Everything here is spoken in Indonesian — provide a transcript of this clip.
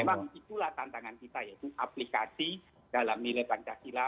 memang itulah tantangan kita yaitu aplikasi dalam nilai pancasila